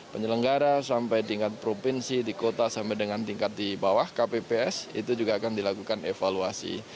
penyelenggara sampai tingkat provinsi di kota sampai dengan tingkat di bawah kpps itu juga akan dilakukan evaluasi